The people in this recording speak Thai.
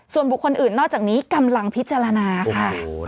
ส่วนบุคคลอื่นนอกจากนี้กำลังพิจารณาค่ะ